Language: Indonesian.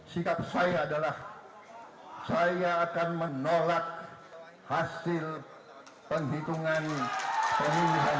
sikap saya adalah saya akan menolak hasil penghitungan pemilihan